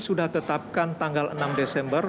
sudah tetapkan tanggal enam desember